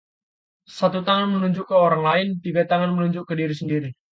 Satu tangan menunjuk ke orang lain, tiga tangan menunjuk ke diri sendiri